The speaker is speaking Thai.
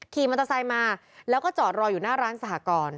ขี่มอเตอร์ไซค์มาแล้วก็จอดรออยู่หน้าร้านสหกร